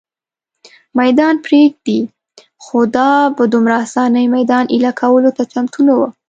مېدان پرېږدي، خو دا په دومره آسانۍ مېدان اېله کولو ته چمتو نه وه.